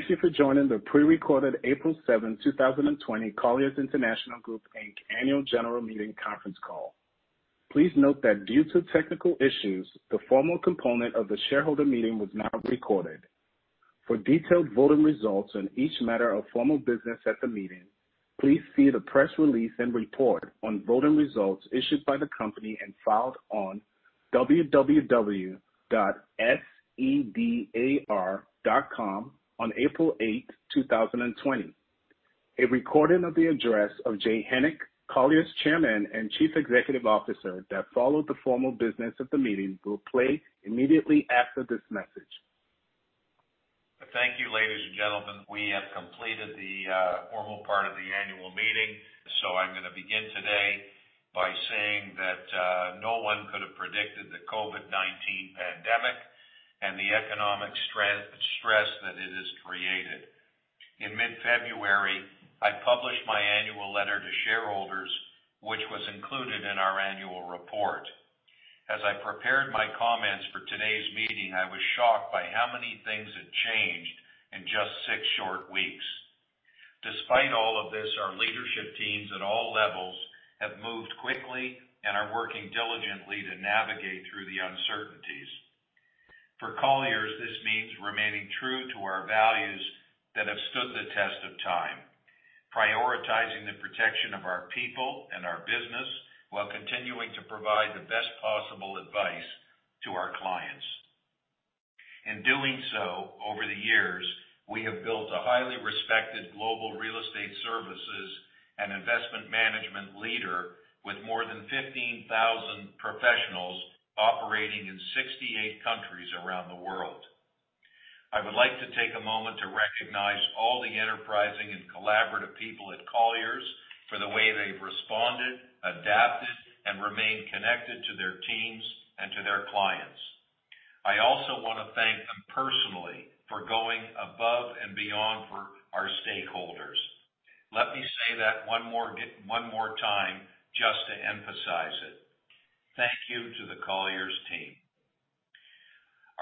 Thank you for joining the pre-recorded April 7, 2020, Colliers International Group Inc annual general meeting conference call. Please note that due to technical issues, the formal component of the shareholder meeting was not recorded. For detailed voting results on each matter of formal business at the meeting, please see the press release and report on voting results issued by the company and filed on www.sedar.com on April 8, 2020. A recording of the address of Jay Hennick, Colliers Chairman and Chief Executive Officer, that followed the formal business of the meeting will play immediately after this message. Thank you, ladies and gentlemen. We have completed the formal part of the annual meeting. I'm going to begin today by saying that no one could have predicted the COVID-19 pandemic and the economic stress that it has created. In mid-February, I published my annual letter to shareholders, which was included in our annual report. As I prepared my comments for today's meeting, I was shocked by how many things had changed in just six short weeks. Despite all of this, our leadership teams at all levels have moved quickly and are working diligently to navigate through the uncertainties. For Colliers, this means remaining true to our values that have stood the test of time, prioritizing the protection of our people and our business while continuing to provide the best possible advice to our clients. In doing so, over the years, we have built a highly respected global real estate services and investment management leader with more than 15,000 professionals operating in 68 countries around the world. I would like to take a moment to recognize all the enterprising and collaborative people at Colliers for the way they've responded, adapted, and remained connected to their teams and to their clients. I also want to thank them personally for going above and beyond for our stakeholders. Let me say that one more time just to emphasize it. Thank you to the Colliers team.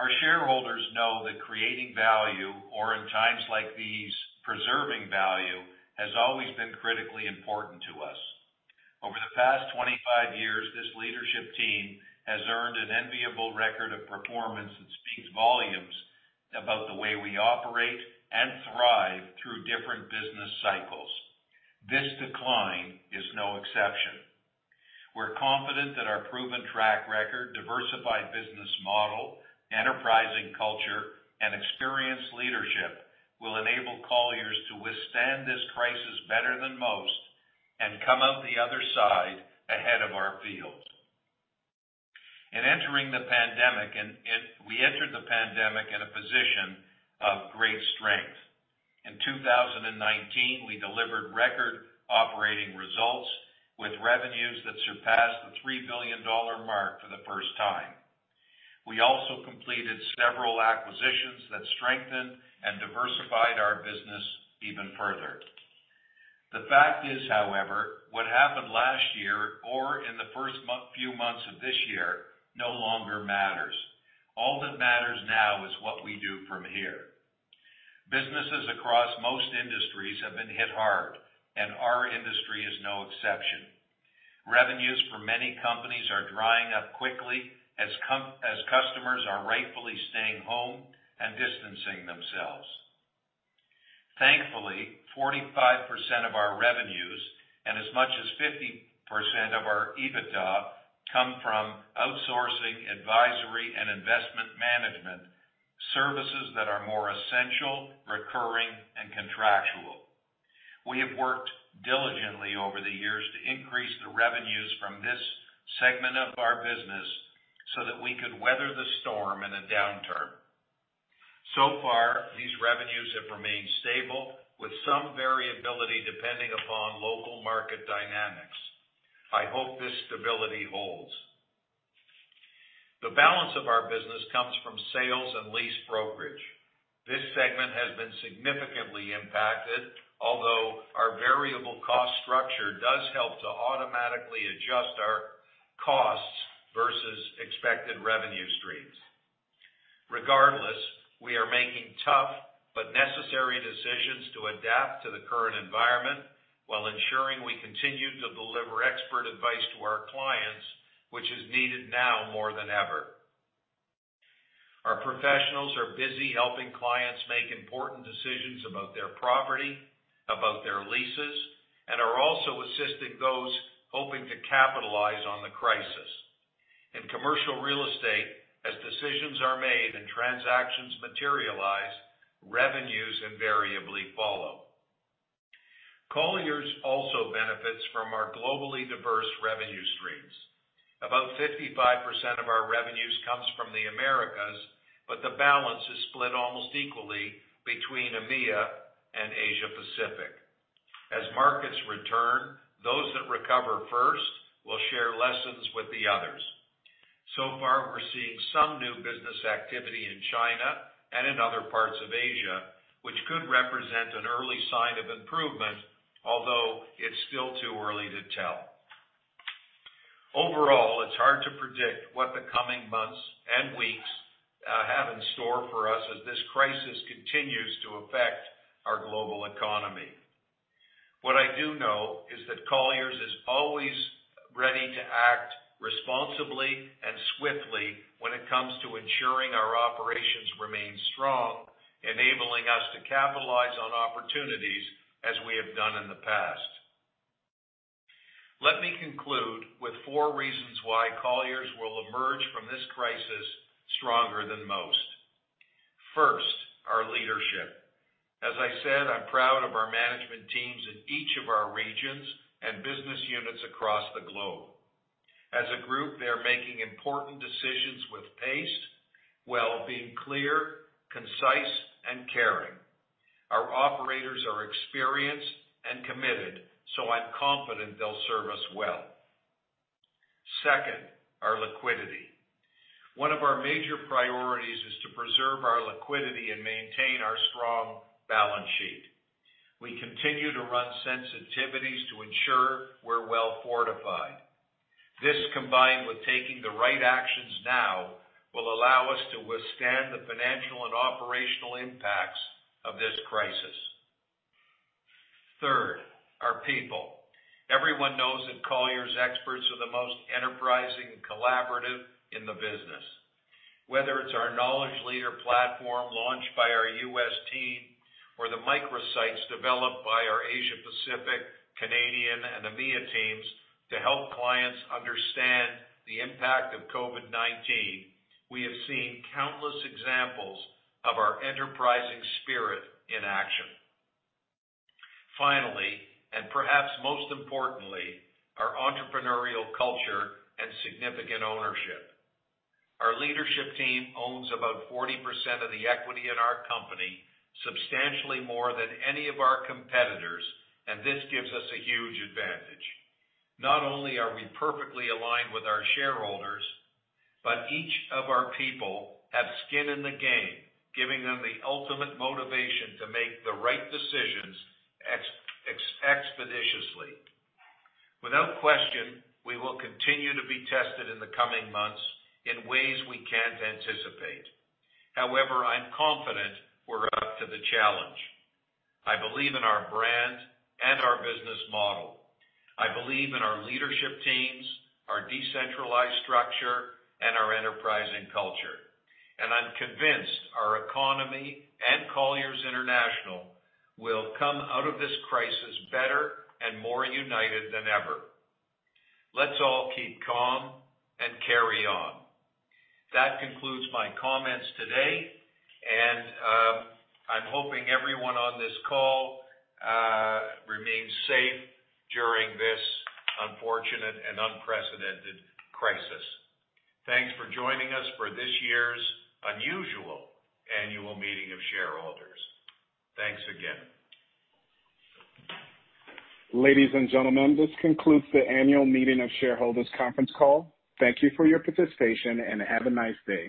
Our shareholders know that creating value, or in times like these, preserving value, has always been critically important to us. Over the past 25 years, this leadership team has earned an enviable record of performance that speaks volumes about the way we operate and thrive through different business cycles. This decline is no exception. We're confident that our proven track record, diversified business model, enterprising culture, and experienced leadership will enable Colliers to withstand this crisis better than most and come out the other side ahead of our field. We entered the pandemic in a position of great strength. In 2019, we delivered record operating results with revenues that surpassed the $3 billion mark for the first time. We also completed several acquisitions that strengthened and diversified our business even further. The fact is, however, what happened last year or in the first few months of this year no longer matters. All that matters now is what we do from here. Businesses across most industries have been hit hard, and our industry is no exception. Revenues for many companies are drying up quickly as customers are rightfully staying home and distancing themselves. Thankfully, 45% of our revenues and as much as 50% of our EBITDA come from outsourcing, advisory, and investment management services that are more essential, recurring, and contractual. We have worked diligently over the years to increase the revenues from this segment of our business so that we could weather the storm in a downturn. So far, these revenues have remained stable, with some variability depending upon local market dynamics. I hope this stability holds. The balance of our business comes from sales and lease brokerage. This segment has been significantly impacted, although our variable cost structure does help to automatically adjust our costs versus expected revenue streams. Regardless, we are making tough but necessary decisions to adapt to the current environment while ensuring we continue to deliver expert advice to our clients, which is needed now more than ever. Our professionals are busy helping clients make important decisions about their property, about their leases, and are also assisting those hoping to capitalize on the crisis. In commercial real estate, as decisions are made and transactions materialize, revenues invariably follow. Colliers also benefits from our globally diverse revenue streams. About 55% of our revenues comes from the Americas, but the balance is split almost equally between EMEA and Asia Pacific. As markets return, those that recover first will share lessons with the others. So far, we're seeing some new business activity in China and in other parts of Asia, which could represent an early sign of improvement, although it's still too early to tell. Overall, it's hard to predict what the coming months and weeks have in store for us as this crisis continues to affect our global economy. What I do know is that Colliers is always ready to act responsibly and swiftly when it comes to ensuring our operations remain strong, enabling us to capitalize on opportunities as we have done in the past. Let me conclude with four reasons why Colliers will emerge from this crisis stronger than most. First, our leadership. As I said, I'm proud of our management teams in each of our regions and business units across the globe. As a group, they are making important decisions with pace, while being clear, concise, and caring. Our operators are experienced and committed, so I'm confident they'll serve us well. Second, our liquidity. One of our major priorities is to preserve our liquidity and maintain our strong balance sheet. We continue to run sensitivities to ensure we're well fortified. This, combined with taking the right actions now, will allow us to withstand the financial and operational impacts of this crisis. Third, our people. Everyone knows that Colliers experts are the most enterprising and collaborative in the business. Whether it's our Knowledge Leader platform launched by our U.S. team or the microsites developed by our Asia-Pacific, Canadian, and EMEIA teams to help clients understand the impact of COVID-19, we have seen countless examples of our enterprising spirit in action. Finally, and perhaps most importantly, our entrepreneurial culture and significant ownership. Our leadership team owns about 40% of the equity in our company, substantially more than any of our competitors, and this gives us a huge advantage. Not only are we perfectly aligned with our shareholders, but each of our people have skin in the game, giving them the ultimate motivation to make the right decisions expeditiously. Without question, we will continue to be tested in the coming months in ways we can't anticipate. However, I'm confident we're up to the challenge. I believe in our brand and our business model. I believe in our leadership teams, our decentralized structure, and our enterprising culture. I'm convinced our economy and Colliers International will come out of this crisis better and more united than ever. Let's all keep calm and carry on. That concludes my comments today, and I'm hoping everyone on this call remains safe during this unfortunate and unprecedented crisis. Thanks for joining us for this year's unusual annual meeting of shareholders. Thanks again. Ladies and gentlemen, this concludes the annual meeting of shareholders conference call. Thank you for your participation and have a nice day.